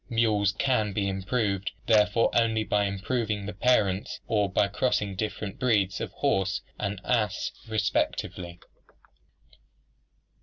Mules can be improved therefore only by improving the parents or by crossing different breeds of the horse and ass respectively.